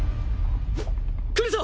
来るぞ！